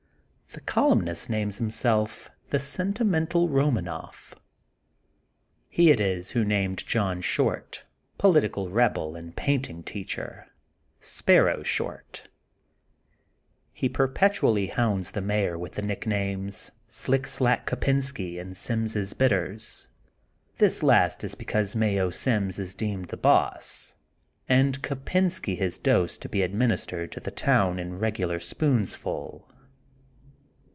The columnist names himself :The Senti mental Bomanoff. '' He it is who named John Short, political rebel and painting teacher: Sparrow Short.'' He perpetually hounds the mayor with the nicknames: Slick Slack Kopensky '' and Sims ' Bitters. '' This last is because Mayo Sims is deemed the boss and Kopensky his dose to be administered to the town in regular spoonsful.